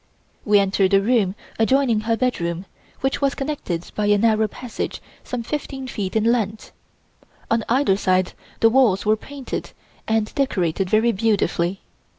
We entered a room adjoining her bedroom, which was connected by a narrow passage some fifteen feet in length. On either side the walls were painted and decorated very beautifully.